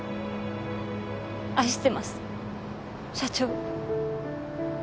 愛してます社長。